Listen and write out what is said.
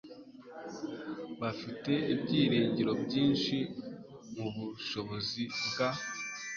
Bafite ibyiringiro byinshi mubushobozi bwa .